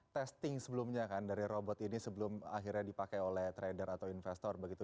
testing sebelumnya kan dari robot ini sebelum akhirnya dipakai oleh trader atau investor begitu